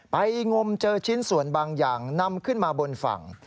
งมเจอชิ้นส่วนบางอย่างนำขึ้นมาบนฝั่ง